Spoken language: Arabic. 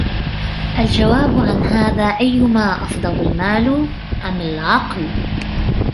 الْجَوَابُ عَنْ هَذَا أَيُّمَا أَفْضَلُ الْمَالُ أَمْ الْعَقْلُ